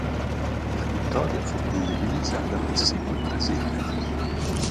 La vittoria fu condivisa da Messico e Brasile.